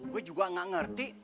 gue juga gak ngerti